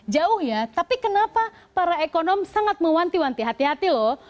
jauh ya tapi kenapa para ekonom sangat mewanti wanti hati hati loh